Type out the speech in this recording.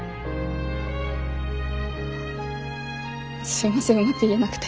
すいませんうまく言えなくて。